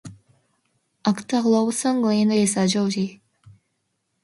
Actor Robson Green is a Geordie.